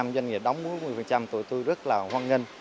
doanh nghiệp đóng một mươi tụi tôi rất là hoan nghênh